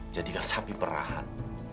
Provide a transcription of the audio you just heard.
jadikan sapi perahan